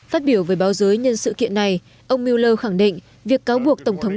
phát biểu với báo giới nhân sự kiện này ông mueller khẳng định việc cáo buộc tổng thống